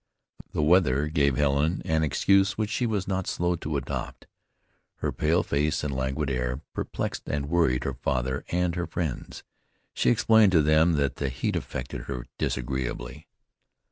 The weather gave Helen an excuse which she was not slow to adopt. Her pale face and languid air perplexed and worried her father and her friends. She explained to them that the heat affected her disagreeably.